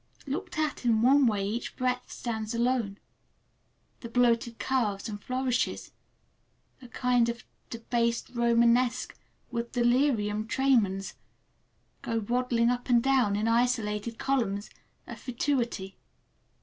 Looked at in one way each breadth stands alone, the bloated curves and flourishes—a kind of "debased Romanesque" with delirium tremens—go waddling up and down in isolated columns of fatuity.